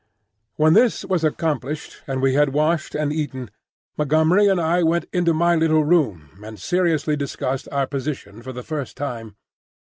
When this was accomplished, and we had washed and eaten, Montgomery and I went into my little room and seriously discussed our position for the first time.